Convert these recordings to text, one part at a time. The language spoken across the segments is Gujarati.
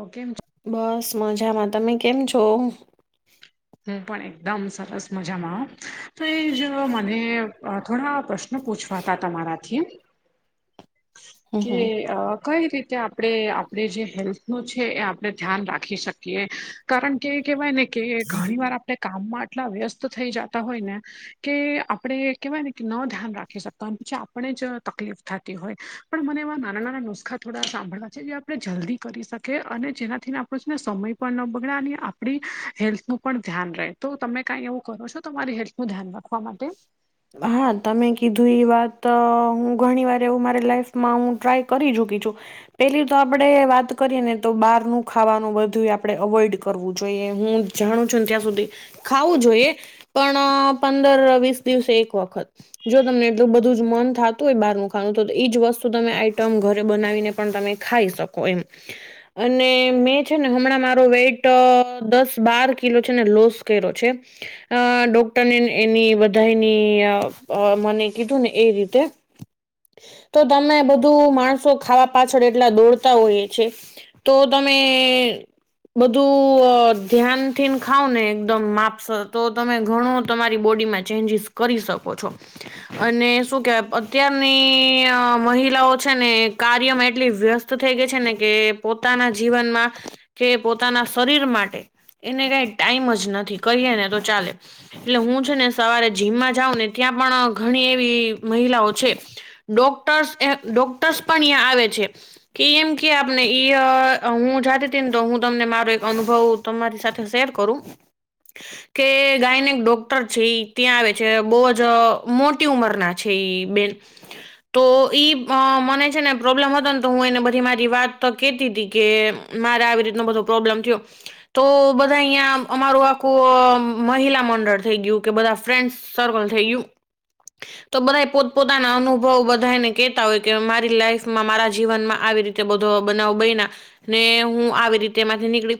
ઓ કેમ છ બસ મઝામાં. તમે કેમ છો? હું પણ એકદમ સરસ મઝામાં હ‌, તોય જો મને થોડા પ્રશ્ન પૂછવાતા તમારાથી કે હમ અ કઈ રીતે આ આપણે આપણે જે હેલ્થ નું છે એ આપણે ધ્યાન રાખી શકીએ. કારણ કે એ કહેવાય ને કે ઘણી વાર આપણે કામમાં આટલા વ્યસ્ત થઈ જાતા હોય ને કે આપડે કેવાય ને કે ન ધ્યાન રાખી શકતા પછી [unintelligible] આપણે જ તકલીફ થતી હોય, પણ મને એવા નાના નાના નુસ્ખા થોડા સાંભળવા છે જે આ પણે જલ્દી કરી શકીએ, અને જેનાથીને આપણનો સમય પણ ન બગડે અને આપણી હેલ્થ નું પણ ધ્યાન રહે, તો તમે કાંઈ એવું કરો છો તમારી હેલ્થ નું ધ્યાન રાખવા માટે? હા તમે કીધું એ વાત હું ઘણી વાર એવું મારી લાઈફમાં હું ટ્રાય કરી ચૂકી છું. પેલીતો આપડે વાત કરીએ ને તો બહારનું ખાવાનું બધું આપણે અવોઈડ કરવું જોઈએ, હું જાણું છું ને ત્યાં સુધી, ખાવું જોઈએ પણ પંદર વીસ દિવસે એક વખત. જો તમને એટલું બધું જ મન થાતું હોય, બારનું ખાવાનું, તો ઈજ વસ્તુ તમે આઈટમ ઘરે બનાવીને પણ તમે. -ખાઈ શકો એમ. અને મેં છે ને, હમણાં મારો વેઇટ દસ બાર કિલો છે ને લોસ કર્યો છે. અ ડોક્ટરને એની - દૈની અ મને કીધું ને એ રીતે. તો તમે, બધું માણસો ખાવા પાછળ એટલા દોડતા હોય છે. તો તમે... બધું ધ્યાનથી ને ખાવ ને એકદમ માપસર તો તમે ઘણું તમારી બોડી માં- -ચેન્જીસ કરી શકો છો. અને શું કેવાય અત્યારની અ મહિલાઓ છે ને, કાર્યમાં એટલી વ્યસ્ત- -થઈ ગઈ છે ને કે પોતાના જીવનમાં કે પોતાના શરીર માટે. એને કંઈ ટાઈમ જ નથી. કહીએ ને તો ચાલે, એટલે હું છે ને- -સવારે જિમમાં જાઉ ને, ત્યાં પણ ઘણી એવી મહિલાઓ છે. ડોક્ટર્સ ડોક્ટર્સ પણ યા આવે છે. કેમ કે આપને ઈ અ હું જાતી હતી ને તો હું તમને મારો એક અનુભવ તમારી સાથે શેર કરું. [unintelligible] કે ગાયનેક ડોક્ટર છે ઈ. ત્યાં આવે છે, બહુ જ મોટી ઉંમરના છે બેન- તો ઈ અ મને છે ને પ્રોબ્લેમ હતો ને તો હું એને બધી મારી વાત કેતી હતી કે... મારે આવી રીતનો બધો પ્રોબ્લેમ થયો. તો બધા અહીંયા અમારું આખું અ મહિલા મંડળ થઈ ગયું કે બધા. ફ્રેન્ડ સર્કલ થઈ ગયું. [unintelligible] તો બધા પોત પોતાના અનુભવ બધાને કેહેતા હોય કે મારી લાઈફમાં મારા જીવનમાં આવી. રીતે બધો બનાવ બયના ને હું આવી રીતે તેમાંથી નીકળી.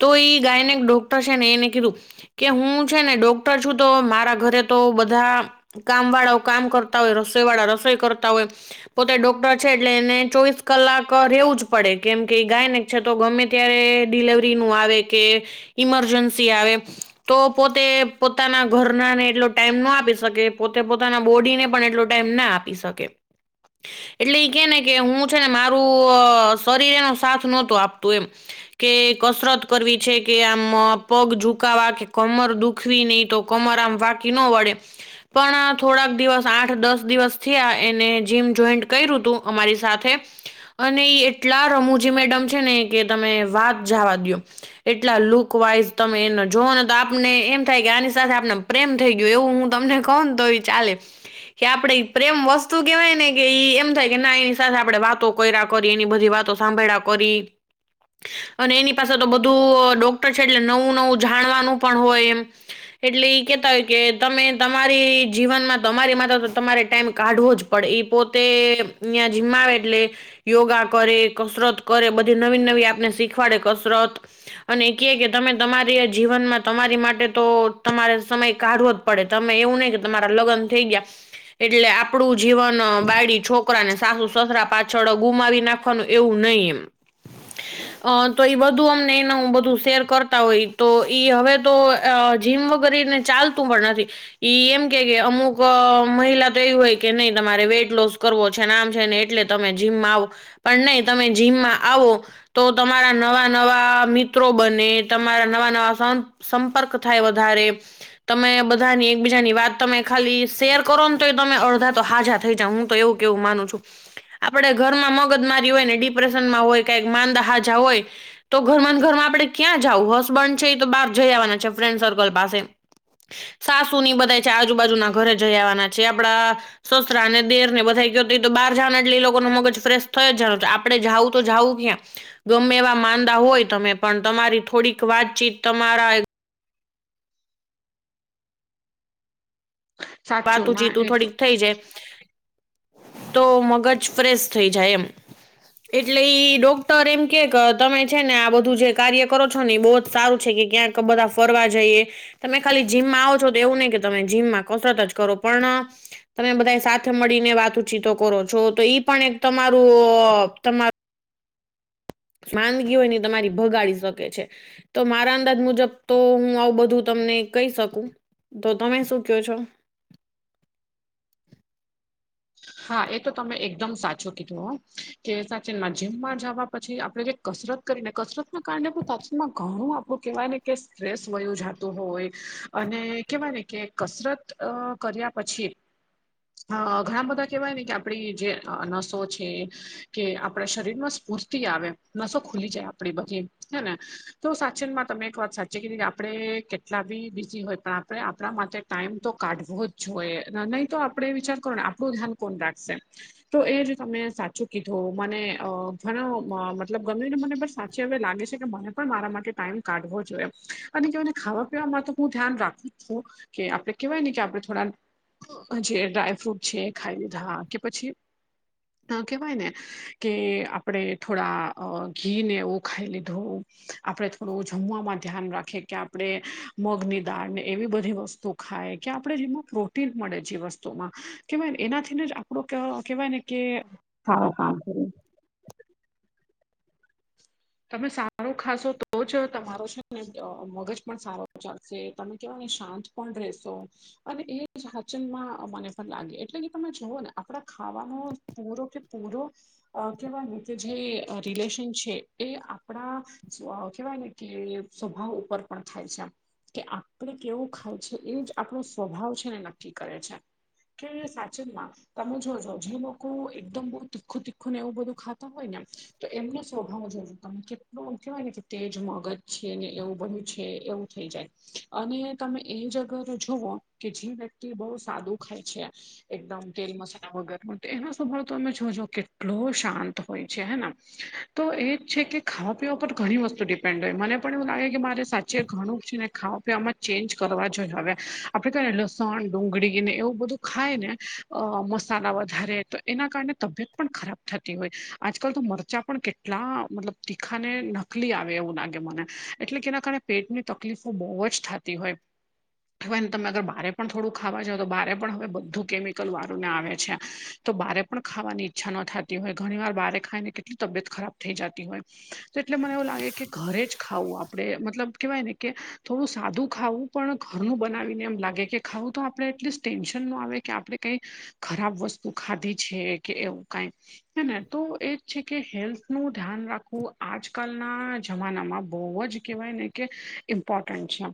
તો એ ગાયનેક ડોક્ટર છે ને, એને કીધું કે હું છે ને ડોક્ટર છું તો મા- -રા ઘરે તો બધા કામ વાળાઓ કામ કરતા હોય રસોઈ વાળા રસોઈ કરતા હોય. પોતે ડોક્ટર છે એટલે એને ચોવીસ કલાક રેવું જ પડે કેમ કે ગાયનેક - -છે તો ગમે ત્યારે ડિલવરીનું આવે કે - ઈમરજન્સી આવે તો પોતે પોતાના ઘર ઘરનાને એટલો ટાઈમ ના આપી શકે, પોતે પોતાના બોડીને પણ એટલો ટાઈમ ના આપી શકે. એટલે ઈ કે ને કે હું છે ને મારું શરીર એનો સાથ નહોતો આપતું એમ. કે કસરત કરવી છે, કે આમ પગ ઝુકાવા કે કમર દુખવી ને એતો કમર આમ વાકી ન વળે. પણ થોડાક દિવસ આઠ દસ દિવસ થયા એને જીમ જોઈન્ટ કર્યું હતું અમારી સાથે- અને ઇ એટલા રમૂજી મેડમ છે ને, કે તમે વાત જાવા દયો. એટલા લુક વાઈઝ તમે એને જોઓ ને, તો આપને એમ થાય કે આની- -સાથે આપને પ્રેમ થઈ ગયો એવું હું તમને કવ ને તોય ચાલે. કે આપડે પ્રેમ વસ્તુ કેવાય ને, કે ઈ એમ થાય કે, ના એની સાથે આપડે વાતો- કયરા કરી, ની બધી વાતો સાંભળ્યા કરી- અને એની પાસે તો બધું ડોક્ટર છે નવું નવું જાણવાનું પણ હોય એમ એટલે ઈ કેતા હોય કે તમે તમારી જીવનમાં તમારી માટે તો તમારે ટાઈમ કાઢવો જ. -પડે ઈ પોતે ત્યા જીમમાં આવે એટલે યોગા ક, રે કસરત કરે, બધી નવી નવી આપને શીખવાડે કસરત અને કહે કે તમે તમારી જીવનમાં તમારી માટે તો તમારે સમય કાઢવો જ પડે તમે એવું નહિ કે તમારા લગ્ન થઈ ગયા. એટલે આપડું જીવન બાયડી છોકરા સાસુ સસરા પાછળ ગુમાવી નાખવુ. એવું નહી. એમ તો એ તો અમને એમનુ બધું શેર કરતા હોય તો ઈ હવે તો જીમ વગર એને ચાલતું પણ નથી. ઈ એમ કે કે અમુક મહિલા તો એવી હોય કે નહી તમારે વેઇટ લોસ કરવો છેને આમ છે ને એટલે તમે જીમમાં આવો પણ નહી તમે જીમમાં આવો. તો તમારા નવા નવા મિત્રો બને. તમારા નવા નવા સંપર્ક થાય. વધારે તમે બધાની એકબીજાની વાત તમે ખાલી શેર કરો ને, તોય તમે અડધા તો સાજા થઈ જાવ હું તો એવું કેવું માનું છું. આપડે ઘરમાં મગજ મારી હોય, ને ડિપ્રેશનમાં હોય કઈક માંદા સાજા હોય. તો ઘરમાં ઘરમાં આપડે ક્યાં જાવું હસબન્ડ છે. એ તો બહાર જઈ આવવાના છે. ફ્રેન્ડ પાસે સાસુની બધા છે. આજુબાજુના ઘરે જઈ આવવાના છે. આપડા સસરા અને દેર ને બધા ક્યોતો બહાર જવાનાં એટલે એ લોકોનું મગજ ફ્રેશ જણ આપડે જાઉ તો જાઉ ક્યાં ગમે એવા માંદા હોય, તમે પણ તમારી થોડીક વાતચીત તમારા સાચું વાતું ના ચીતું એ તો થોડીક થઈ જાય તો મગજ ફ્રેશ થઈ જાય. એમ એટલે ઈ ડોક્ટર એમ કે કે તમે છે. ને આ બધું જે કાર્ય કરો છો. ને એ બહુ જ સારું છે કે ક્યાંક બધા ફરવા જઈએ તમે ખાલી જીમમાં આવો છો. તો એવું નહીં કે તમે જીમમાં કસરત જ કરો પણ તમે બધા સાથે મળીને વાતોચીતો કરો છો. તો ઈ પણ એક તમારું તમારું માંદગી હોય ઈ તમારી ભગાડી શકે છે. તો મારા અંદાજ મુજબ તો હું આવું બધું તમને કહી શકું. તો તમે શું કહો છો? હા એ તો તમે એકદમ સાચું કીધું હો કે સાચીમાં જીમમાં જવા પછી આપડે જે કસરત કરીને કસરત ના કારણે તાતણમા ઘણું આપડું કેહેવાયને કે સ્ટ્રેસ વયુ જતું હોય. અને કેવાય ને કે કસરત કર્યા પછી અ ઘણા બધા કહેવાય ને કે આપણી નસો છે, કે આપણા શરીરમાં સુ સ્ફુર્તી આવે. નસો ખુલી જાય આપડી બધી હે ને તો સાચનમાં તમે એક વાત સાચી કીધ આપડે કેટલા બી બીઝી હોય પણ આપણે આપણા માટે ટાઈમ તો કાઢવો જ જોઈએ. નહીં તો આપણે આપડે એ વિચાર કરો ને, આપડુ ધ્યાન કોણ રાખશે. તો એ જ તમે સાચું કીધું. મને અ ઘણો મતલબ ગમે એટલું મને બસ જે હવે લાગે છે કે, મને પણ મારા માટે ટાઈમ કાઢવો જોઈએ. અને કહેવાયને ખાવા પીવાવામાં તો હું ધ્યાન રાખું જ છું. કે આપડે કેવાય ને કે, આપડે થોડા જે ડ્રાયફ્રૂટ છે. એ ખાઈ લીધા, કે પછી અ કેહેવાય ને કે, આપડે થોડા અ ઘી નેવું ખાઈ લીધું. આપડે થોડું જમવાવામાં ધ્યાન રાખીએ કે, આપડે મગની દાળ ને એવી બધી વસ્તુ ખાયે. કે આપડે જેમાં પ્રોટીન મળે છે. જે વસ્તુ તોમા. કેવાયને એનાથી ને જ આપડો કેવાય ને કે, અ કામ કરે તમે સારુ ખાશો તો જ તમારો છે. ને મગજ પણ સારો ચાલશે. તમે કેવાય ને શાંત પણ રેહશો. અને એ જ ઝાચનમાં મને પણ લાગે. એટલે કે તમે જુઓ ને આપડા ખાવાનો જ પૂરો કે પૂરો અ કેવાયને કે જે રિલેશન છે. એ, આપણા સ્વ- કેવાય ને કે, સ્વભાવ ઉપર પણ થાય છે આમ. કે આપડે કેવું ખાય છે, એ જ આપણો સ્વભાવ છે ને નક્કી કરે છે. કે સાચુ ના. તમે જોજ, જે લોકો એકદમ બહુ તીખું તીખું ને એવું બધું ખાતા હોય ને, તો એમનો સ્વભાવ જો જો. તમ કેટલું કેહેવાય ને કે તેજ મગજ છે ને, એવું બધુ છે, ને એવું થઈ જાય. અને તમે એજ અગર જુઓ, કે જે વ્યક્તિ બહુ સાદું ખાય છે‌. એકદમ તેલ મસાલા વગરનુ. તો એનો સ્વભાવ તમે જોજો, કેટલો શાંત હોય છે હેને? તો એ- છે કે, ખાવાપીવા પર ઘણી વસ્તુ ડિપેન્ડ રેય. મને પણ એવું લાગે કે, મારે સાચે ઘણું છે ને ખાવા પીવામાં જ- ચેન્જ કરવા જોઈએ, હવે આપડે કહેને લસણ, ડુંગળીને એવું બધું ખાય ને- અ મસાલા વધારે, તો એના કારણે તબીયત પણ ખરાબ થાતી હોય. આજ કાલ તો મરચાં પણ કેટલા- મતલબ તીખાને નકલી આવે એવું લાગે મને. એટલે કે એના કારણે પેટની તકલીફો બહુ જ થા- -થી હોય. [unintelligible] તમે બારે પણ થોડું ખાવા જાવ તો, બારે પણ હવે બધું કેમિકલ વાળું ને આવે. તો બારે પણ ખાવાની ઈચ્છા ન થતી હોય. ઘણી વાર બારે ખાઈ ને કેટલી તબિયત ખરાબ થઈ જાત- -ટીવાય. તો એટલે મને એવું લાગે કે ઘરે જ- ખાવું આપડે. મતલબ કેવાય ને કે થોડું સાદું ખાવું પણ ઘરનું બનાવીને એમ લાગે કે, - -ખાવું તો આપણે એટલીસ્ટ ટેન્શન નો આવે કે આપડે કંઈ ખરાબ વસ્તુ ખાધી છે કે એવું કઈ. હે ને, તો એજ છે કે હેલ્થનું- -ધ્યાન રાખવું. આજકાલના જમાનામાં બહુ જ કહેવાય ને કે ઇમ્પોર્ટન્ટ છે.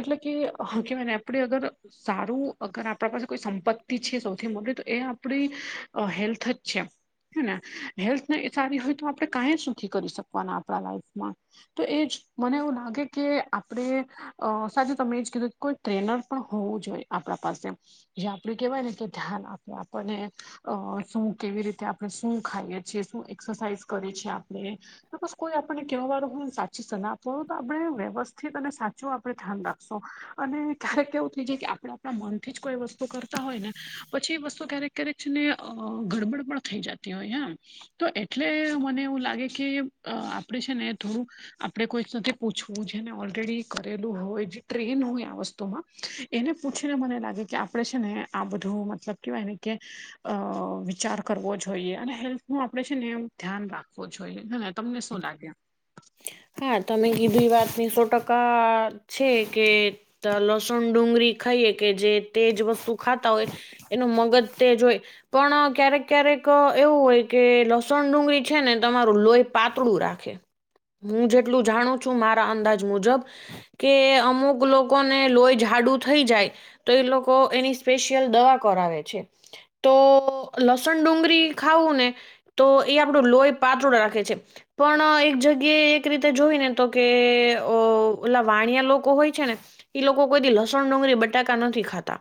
એટલે કે, હુ કેવાયને આપડે અગર, - -સારું અગર આપડા પાસે કોઈ સંપત્તિ છે સૌથી મોટી, તો એ આપણી હેલ્થ જ છે. હે ને! હેલ્થ નઈ સારી હોય તો, આપડે કાંઈ જ નથી કરી શકવાના આપડા લાઈફમાં. તો એજ. મને એવું લાગે કે આપડે અ સાથે તમે એજ કીધું- -કોઈ ટ્રેનર પણ હોવું જોઈએ આપડા પાસે. જે આપડું કેહેવાય ને કે ધ્યાન આપે. આપણ ને- -અ શું કેવી રીતે આપણે શું ખાઈએ છીએ, શું એક્સરસાાઈઝ કરીએ છીએ, આપડે- -તો બસ કોઈ આપને કેવાવાળુ હોયને, સાચી સલાહ આપવા વાળુ તો આપણે વ્યવસ્થિત અને સા- -જો આપડે ધ્યાન રાખશો અને- -ક્યારેક એવું થઇ જાય કે, આપણે આપણા મન થીજ કોઈ વસ્તુ કરતા હોય ને પછી એ ક્યારેક- - કયારેક છેને ગડબડ પણ થઈ જાતી હોય, યા તો એટલે- -એ મને એવું લાગે કે, આપડે છે ને થોડુંક- આપડે કોઈક સાથે પૂછવું છે, અને ઓલરેડી એ કરેલું હોય, જે ટ્રેન હોય આ વસ્તુમાં- એને પૂછીને મને લાગે કે, આપડે છે ને આ બધું મતલબ કેવાય ને કે- -અ વિચાર કરવો જોઈએ. અને હેલ્થનો આપડે છે ને એવુ- -ધ્યાન રાખવો જોઈએ. હે ને! તમને શું લાગે? હા, તમે કીધું ઈ વાત ની સો ટકા છે કે- લસણ ડુંગળી ખાઈએ કે જે તેજ વસ્તુ ખાતા હોય- -એનું મગજ તેજ હોય- પણ, ક્યારેક ક્યારેક એવું હોય કે, લસણ ડુંગળી છે ને તમારું લોહી પાતળું રાખે- -હું જેટલું જાણું છું, મારા અંદાજ મુજબ- -કે અમુક લોકોને લોહી જાડુ થઈ જાય- તો, એ લોકો એની સ્પેશિયલ દવા કરાવે છે. તો, લસણ ડુંગરી ખાવું ને- તો, એ આપડું લોહી પાતળું રાખે છે પણ- એ એક રીતે જોઈ ને, તો કે, ઓલા વાણિયા લોકો હોય છે ને- ઇ લોકો કોઈ દિ લસણ, ડુંગરી, બટાકા નથી ખાતા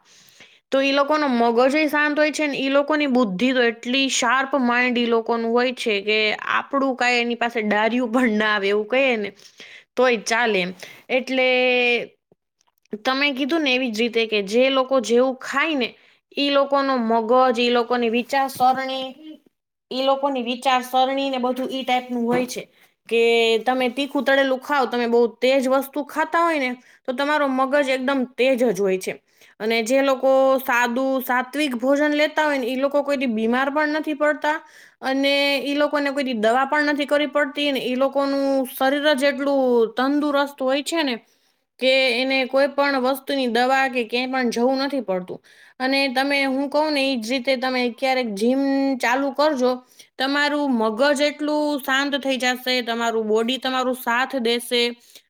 તો ઈ લોકો નુ મગજ ય શાંત હોય છે ને, ઇ લોકોની બુદ્ધિ તો એટલી શાર્પ માઇન્ડ ઈ લોકોનું હોય છે કે, આપડું કાઈ એની પાસે [unintelligible] ભણ ના આવે, એવું કઇએ ને, તોય ચાલે એમ એટલે તમે કીધું ને એવી જ રીતે કે જે લોકો જેવું ખાય ને ઈ લોકો નુ મગજ, ઈ લોકોની વિચારસરણી ઇ લોકોની વિચાર સરરણી ને બધું ઈ ટાઈપનુંું હોય છે કે તમે તીખું તળેલું ખાવ તમે બહુ તેજ વસ્તુ ખાતા હોય ને ત તમારો મગજ એકદમ તેજ જ હોય છે. અને જે લોકો, સાદું, સાત્વિક ભોજન લેતા હોય ને, ઇ લોકો કોઈ દિ બીમાર પણ નથી પડતા અને, ઈ લોકોને કોઈ દિ દવા પણ નથી કરવી પડતી ને ઈ લોકોનું શરીર જ એટલું તંદુરસ્ત હોય છે ને કે, એને કોઈ પણ વસ્તુની દવા કે કયાય પણ જવું નથી પડતું અને તમે હુ કઉ ને ઇ જ રીતે તમે ક્યારેક જીમ, ચાલુ કરજો તમારું મગજ એટલું શાંત થઈ જાશે, તમારું બોડી તમારું સાથ દેશે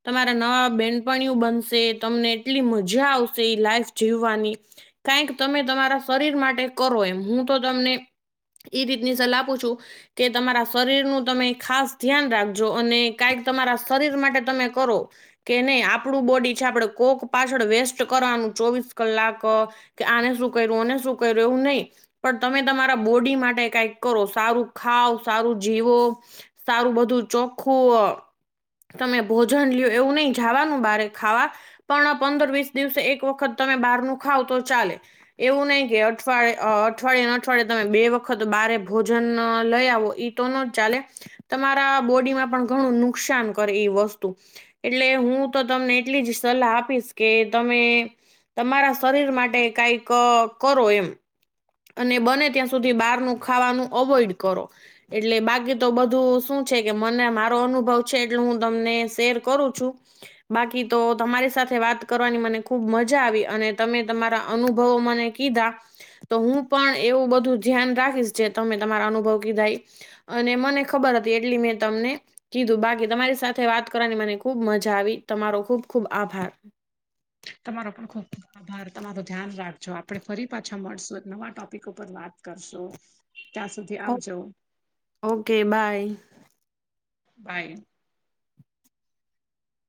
તમારા નવા બેનપણીયુ બનશે, તમને એટલી મજા આવશે ઇ લાઈફ જીવવાની કાઇક તમે તમારા શરીર માટે કરો એમ, હું તો તમને ઇ રીતની સલાહ આપું છું કે તમારા શરીર નું તમે ખાસ ધ્યાન રાખજો, અને કાઈક તમારા શરીર માટે તમે કરો કે નઇ, આપડુ બોડી છે, આપડે કોક પાછળ વેસ્ટ કરવાનું ચોવીસ કલાક કે આને શું કયરુ, આને શું કયરુ એવું નઇ પણ તમે તમારા બોડી માટે કાઈક કરો, સારું ખાવ સારું જીવો સારું બધું ચોખ્ખું અ, તમે ભોજન લ્યો એવું નઇ, જાવાનું બાર [unintelligible] ખાવા. પણ પંદર વીસ દિવસે એક વખત તમે બાર નુ ખાવ તો ચાલે. એવું નઇ કે અઠવાડિે, અ અઠવાડિયે ન અઠવાડિયે તમે બે વખત બારે ભોજન, લઈ આવો તો નો જ ચાલે, તમારા બોડીમાં પણ ઘણું નુકસાન કરે એ વસ્તુ એટલે હું તો તમને એટલી જ સલાહ આપીશ કે તમે તમારા શરીર માટે કાઈક કરો એમ અને બને ત્યાં સુધી બારનું ખાવાનું અવોઈડ કરો એટલે બાકી તો બધું, શું છે કે મને મારો અનુભવ એટલે હું તમને શેર કરું છું બાકી તો તમારી સાથે વાત કરવાની મને ખુબ મજા આવી, અને તમે તમારા અનુભવો મને કીધા, તો હું પણ એવું બધું ધ્યાન રાખીશ જે તમે તમારા અનુભવ કીધા ઇ અને મને ખબર હતી એટલી મેં તમને કીધું, બાકી તમારી સાથે વાત કરવાની મને ખુબ મજા આવી, તમારો ખુબ ખુબ આભાર. તમારો પણ ખુબખુબ આભાર તમારો ધ્યાન રાખજો. આપડે ફરી પાછા મળશું, એક નવા ટોપિક ઉપર વાત કરશું ત્યાં સુધી આવજો ઓકે બાય. બાય.